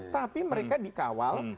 tapi mereka dikawal